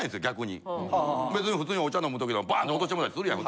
別に普通にお茶飲む時でもバンて落としてもうたりするやん。